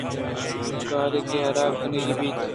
کارے کہ حراب کنگی بیت